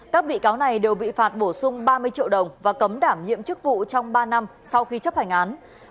các bị cáo này đều bị phạt bổ sung ba mươi triệu đồng và cấm đảm nhiệm chức vụ trong ba năm sau khi chấp hành án